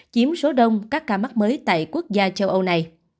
chiếm số đông các ca mắc mới tại quốc gia châu âu này